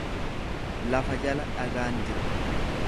Lafa jala dhagaan jira.